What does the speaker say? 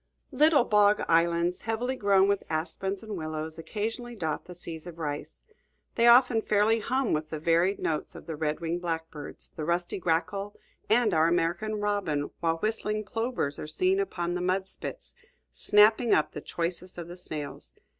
Little bog islands, heavily grown with aspens and willows, occasionally dot the seas of rice. They often fairly hum with the varied notes of the red winged blackbird, the rusty grackle, and our American robin, while whistling plovers are seen upon the mud spits, snapping up the choicest of the snails.